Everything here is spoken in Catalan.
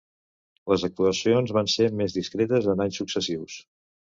Les actuacions van ser més discretes en anys successius.